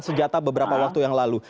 senjata beberapa waktu yang lalu